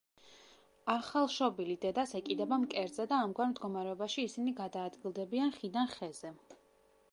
ახალშობილი დედას ეკიდება მკერდზე და ამგვარ მდგომარეობაში ისინი გადაადგილდებიან ხიდან ხეზე.